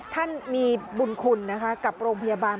ท่านมีบุญคุณนะคะกับโรงพยาบาล